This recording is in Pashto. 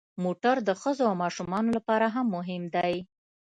موټر د ښځو او ماشومانو لپاره هم مهم دی.